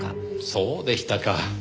そうでしたか。